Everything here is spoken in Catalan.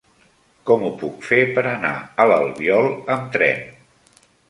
Com ho puc fer per anar a l'Albiol amb tren?